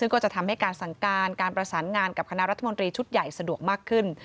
การประสานงานกับคณะรัฐมนตรีชุดใหญ่สะดวกมากขึ้น